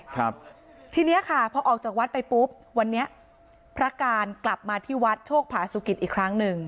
ทีเนี้ยค่ะพอออกจากวัดไปปุ๊บวันนี้พระการกลับมาที่วัดโชคผาสุกิตอีกครั้งหนึ่ง